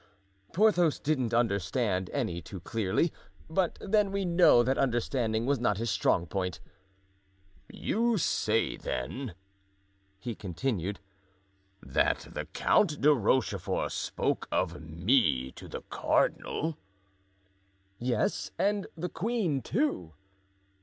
Porthos didn't understand any too clearly; but then we know that understanding was not his strong point. "You say, then," he continued, "that the Count de Rochefort spoke of me to the cardinal?" "Yes, and the queen, too."